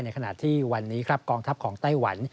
ขณะที่วันนี้ครับกองทัพของไต้หวัน